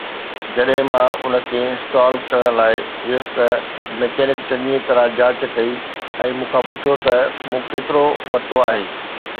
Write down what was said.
جڏهن مان ان کي انسٽال ڪرڻ لاءِ ويس ته ميڪنڪ چڱيءَ طرح جاچ ڪئي ۽ مون کان پڇيو ته مون ڪيترو ورتو آهي؟